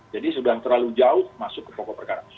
jadi sudah terlalu jauh masuk ke pokok perkara